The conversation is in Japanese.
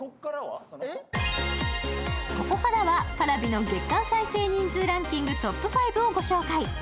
ここからはＰａｒａｖｉの月間再生人数ランキングトップ５をご紹介。